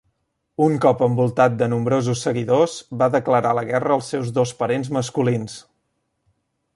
Un cop envoltat de nombrosos seguidors, va declarar la guerra als seus dos parents masculins.